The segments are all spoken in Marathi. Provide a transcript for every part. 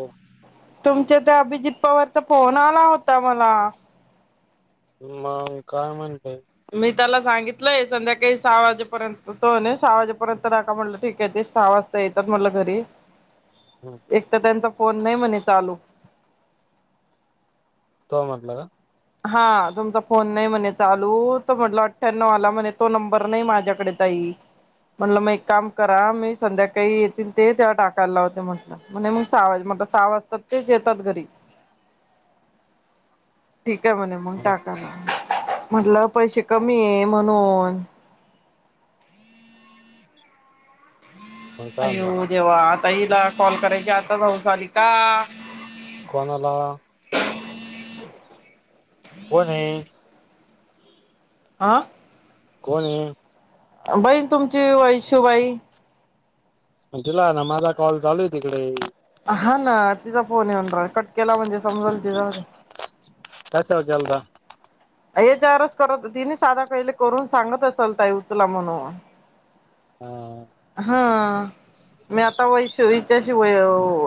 हो. तुमच्या त्या, अभिजित पवारचा फोन आला होता मला. मग काय म्हणते. मी त्याला सांगितलंय संध्याकाळी सहा वाजेपर्यंत, तो म्हणे सहा वाजेपर्यंत टका, म्हटलं ठीके ते सहा वाजता येतात म्हणल घरी. हम्म. एक तर त्यांचा फोन नाही म्हणे चालू. तो म्हटलं का? हा तुमचा फोन नाही म्हणे चालू, त म्हटल अठ्ठ्याण्व वाला, म्हणे तो नंबर नाही माझ्याकडे. ताई, म्हणलं मग एक काम करा, मी संध्याकाळी येतील ते तेव्हा टाकायला लावते म्हटलं. म्हणे मग साहा वाजे, म्हटल साहा वाजता ते येतात घरी. ठीक आहे म्हणे मग का टाकाला म्हटलं पैसे कमी आहे म्हणून. मग काय म्हणला अयऊ जव्हा आता हिला कॉल करायची आता भाऊ चाली का. कोणाला कोण आहे आं कोण आहे. बईण तुमची वैशूबाई. तुला ना माझा कॉल चालू आहे तिकडे. हा ना तिचा फोन ये म्हणार कटकेला म्हणजे समज ति कसे होजलदा. हे चारच करत तिने साधा कहीले करून सांगत असाल तर उचला म्हणून. हा. हा मी आता वैश हच्याशी व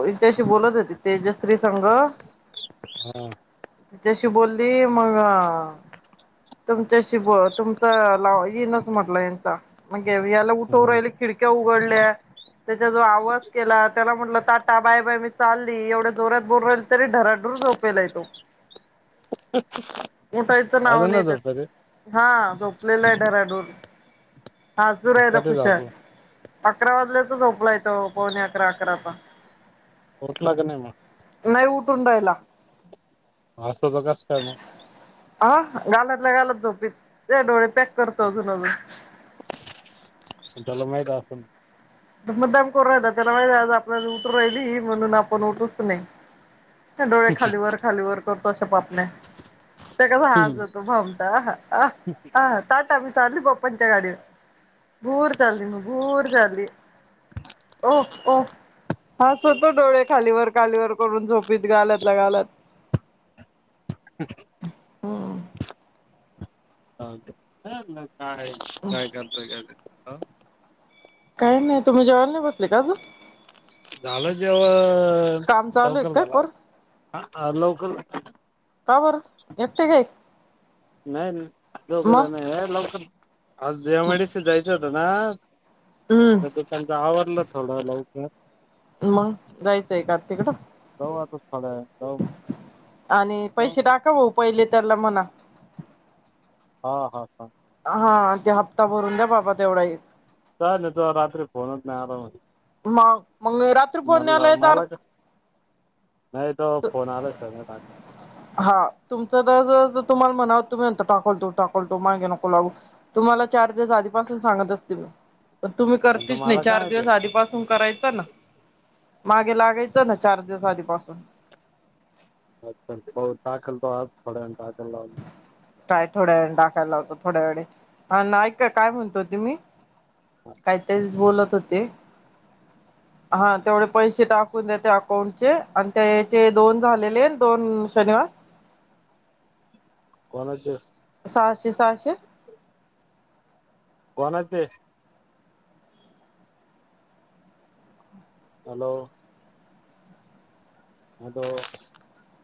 हच्याशी बोलत होती. तेजश्री संघ हा तिच्याशी बोलली मग. तुमच्याशीि ब तुमचा लाव येईनच म्हटलं यांचा म्हणजे याला उठव ह राहिले खिडक्या उघडल्या त्याचा जो आवाज केला. त्याला म्हटलं ताटा बाय बाय मी चालली एवढ्या जोरातत बोर राहिल तरी डराडूर झोपेला य तो म प त नाव अजूनच नाहीेतच. होत ते हा झोपलेला आहे राडूून हाजू रायला कधी जा खुशल. आपला अकरा वाजल्याच झोपला येतं पवणे अकरा अकराचा. होट लाग न म. नाही उठून राहायला. अस ब क का म हा गालतल्या घालत झोपी ते डोळे पॅक करतो अजून अजून. ल महीतून. मुद्दाम करून राहि त्याला माहिती आज आपल्याला उठ राहिली म्हणून आपण उठतच नाही. डोळे खालीवरर खालीवरर करतो असा पापने ते कसा हज होतो भमता आ ताट बीस अली गोपच्या गाडी घूर झाचालली घूर झाचाली ह [inaudible] ओ ओ हस होतो डोळे खालीवर कालीवर करून झोपत गालत ला गालत- ह् [inaudible] काय काय करतोय का? काही नाही तुम् जेला बसले अजून. झालं जेव्हा काम चालू आहे लवकर काय पर झाला लवकर. का बर एकटे काय? नाही मग नाहीघदा नाही आहे लोक आ जडीशी जायचं होतं ना. हम्म. तुसांच आवडलं थोडं लवकर. मग जायचंय का तिकडं आ तथड आहे आणि पैसे टाका भाऊ पहिले त्याला म्हणा हा हा हा हा ते हप्ता भरून द्या बाबा तेवढा चचा नाही तो रात्री फोन होत नाही आराम मग मग रात्री पोहण्या आलाय तर मला का नाही तो फोन आलाच हा तुमचं ज तुम्हाला म्हणाव तुम्ही नंतर टाकवतो टाकवतो मागे नको लागू तुम्हाला चार दिवस आधीपासून सांगत असते मी तुम्ही आणि तो करतेच नाही मला चार काय ते दिवस आधीपासून करायचं ना मागे लागायचं ना चार दिवस आधीपासून अच्छा दाखल आ ड दाखल लाव काय थोड्या वे टाकायला ला होतं थोड्या वेळे हा ऐका काय म्हणतोते मी कायतरी बोलत होते. हा तेवढे पैसे टाकून देते अकाउंटचे आणि त्या याचे दोन झालेले दोन शनिवार. कोणाचं सहाशे सहाशे कोणाचे हॅलो आता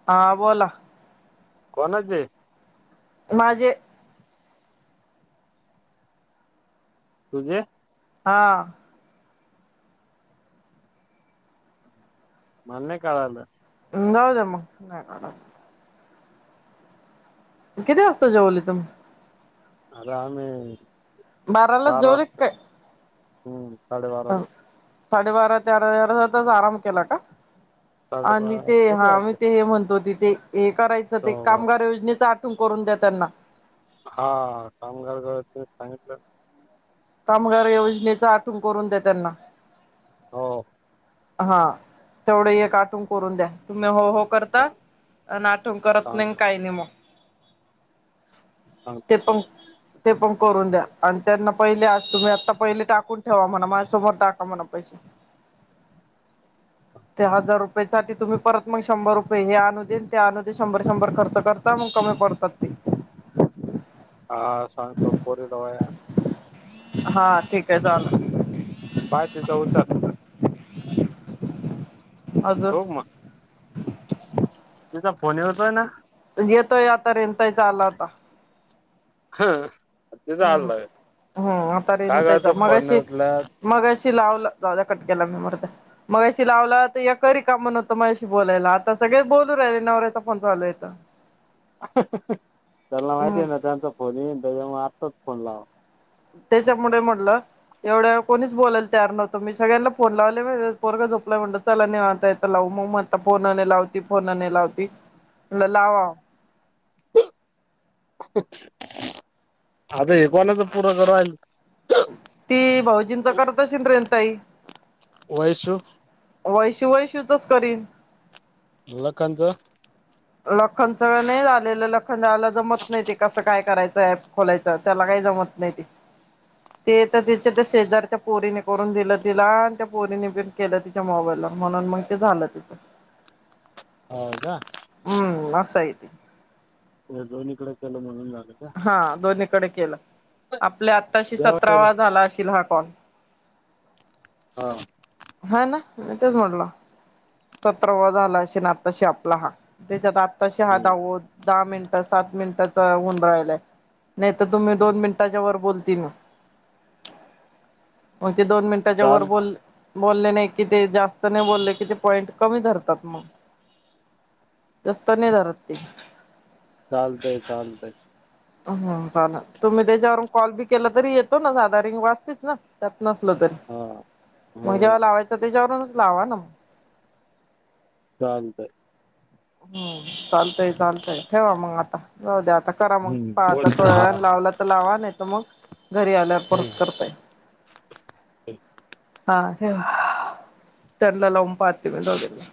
हा बला कोणाचे माझे तुझे हा मला नाय कळालं जाऊ द्या मग नाय कळालं किती असतो जेवली तम आता आम्ही बारला बारा जोली वाजता का हम्म साडेबाराला ह साडेबारा तेरातच आराम केला का आणि साडेबारा ते किती हा मी वाजले ते हे म्हणतो तथ हे करायच हो, कामगार योजनेचा आठवून करून द्या त्यांना हा कामगार कर सांगितलं कामगार योजनेच आठवण करून दे त्यांना हो हा तेवढं हे काटून करून द्या तुम्ही हो हो करता सांग नाटण करत सांग नाही काही नाही मग ते सांगतो पण थांब ते पण करून द्या आणि त्यांना पहिले आज तुम्ही आता पहिले टाकून ठेवा म्हणा माझ्यासोर टाका म्हणा पैसे त्या हजार रुपये सा तुम्ही परत मग शंभर रुपये हे आणू देन ते आणू दे शंभर शंभर खर्च करता मग कमी पडतात ते ह सग तो पोरी रवया हा ठीक आहे चालू बाहे तिचा उचार हो अजून मग तुचा फोन येलतोय ना येतोय आता रेताय चाला आता ह तिचा हम्म हललं हम्म का का तो फोनला मग अशी लावलं जाऊ कट केला म मरता मग अशी लावला तर या कररी का म्हणवतं मग अशी बोलायला आता सगळे बोलू राहिले नवऱ्याचा फोन चालूयं त्यांला माहिती हम्म आहे ना त्यांचा फोन येन त्याच्यामुळे आताच फोन लावा त्याच्यामुळे म्हटलं एवढ्या कोणीच बोलायला तर नव्हतं मी सगळ्यांना फोन लावले पोगं झोपला म्हणत चला निवांत आहे त लावू मग म्हंता फोन नाही लावती फोन नाही लावती म लावाव. हो आता हे कोणाच पुरच राहिल ती भाऊजींचा करता शिंद्रेन ताई वयसू वैश वैशूचाच करीन. लखनचा लखनच नाही झालेलं, लखनाला जमत नाही ते कसं काय करायचं ऍप खोलायचं त्याला काही जमत नाही ते. [unintelligible] ते तर तिच्या त्या शेजारच्या पोरीने करून दिलं तिला आणि त्या पोरीने पण केलं ती च्या मोबाईला म्हणून मग ते झालं तिचं. हो का? हम्म असंय ते. दोनीकडं केलं म्हणून झालं. का? हा दोन्हीकडे केलं, आपल्या आताशी जेवायला सतरावा झाला अशील हा कॉल. हा. हा ना मी तेच म्हटलं. सतरावा झाला अशीन आत्ताशी आपला हा त्याच्यात आत्ताशी हा हम्म दहाव दहा मिन आता सात मिनिटाचा हुन राहिलाय, नाही तर तुम्ही दोन मिनिटांच्या वर बोलतील ना [inaudible] मग ते दोन मिनिटाच्या वर चाल बोल बोल्ले नाही कि ते जास्त नाही बोलले कि ते पॉईंट कमी धरतात मग. जास्त नाही धरत ते. चालतंय चालतंय. ह हाहा तुम्ही त्याच्यावरून कॉल बी केला तरी येतो ना जादा रिंग वाजतेच ना. त्यात नसलं तरी हा मग हो जेव्हा लावायचं त्याच्यावरूनच लावा ना. चालतंय. हम् चालतंय चालतंय ठेवा मग आता जाऊ द्या आता. करा मग हम्म काय आता बोल थोड्या हा वेळानं लावला तर लावा नाही तर मग घरी आल्यावर ठीक परत आहे. करता येईल. [unintelligible] हा ठेवा, त्यांना लावुन पाहते मी जाऊ दे.